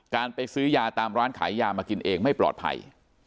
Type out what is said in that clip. การไปซื้อยาตามร้านขายยามากินเองไม่ปลอดภัย